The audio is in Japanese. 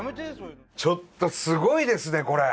ちょっとすごいですねこれ！